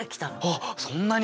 あっそんなに？